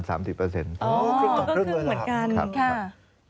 อ๋อก็ครึ่งเหมือนกัน